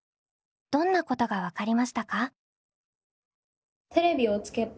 どんなことが分かりましたか？